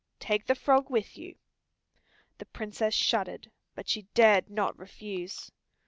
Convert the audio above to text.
"Take the frog with you." The Princess shuddered, but she dared not refuse.